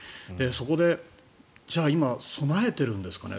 そこで、じゃあ今備えているんですかね。